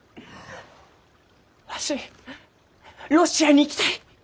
わしロシアに行きたい！